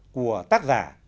của tác giả